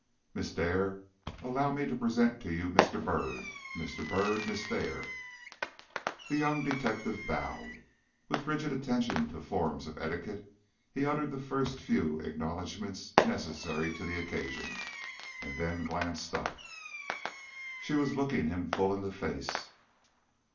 "Miss Dare, allow me to present to you Mr. Byrd. Mr. Byrd, Miss Dare." The young detective bowed. With rigid attention to the forms of etiquette, he uttered the first few acknowledgments necessary to the occasion, and then glanced up. She was looking him full in the face.